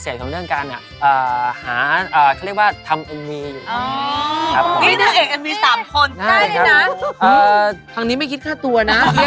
เดี๋ยวประเด็นคือผมเอาทุเรียนไปทำอะไร